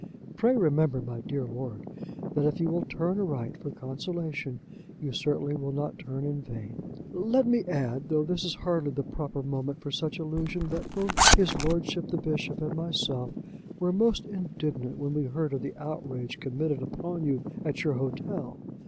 Pray remember, my dear Lord, that if you will turn aright for consolation you certainly will not turn in vain. "Let me add, though this is hardly the proper moment for such allusion, that both his lordship the Bishop and myself were most indignant when we heard of the outrage committed upon you at your hotel.